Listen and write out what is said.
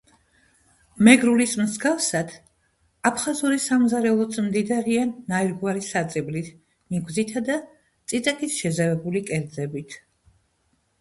მეგრულის მსგავსად აფხაზური სამზარეულოც მდიდარია ნაირგვარი საწებლით, ნიგვზითა და წიწაკით შეზავებული კერძებით.